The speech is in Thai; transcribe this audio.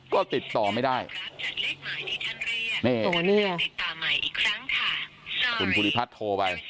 ก็ติดต่อไม่ได้ติดต่อใหม่อีกครั้งค่ะคุณภูริพัฒน์โทรไป